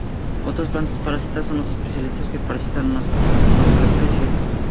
Otras plantas parásitas son los especialistas que parasitan unas pocas o una sola especie.